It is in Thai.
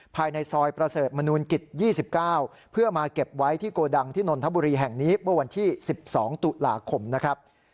ภายในซอยประเสริฐมนูลกิจ๒๙เพื่อมาเก็บไว้ที่โกดังที่นนทบุรีแห่งนี้เมื่อวันที่๑๒ตุลาคมนะครับ